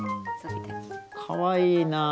かわいいな。